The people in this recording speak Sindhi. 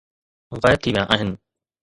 غائب ٿي ويا آهن